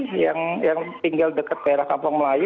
beberapa tetangga saya sih yang tinggal dekat daerah kampung melayu